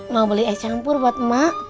mau beli es campur buat emak